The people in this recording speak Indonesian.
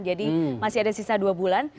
jadi masih ada sisa dua bulan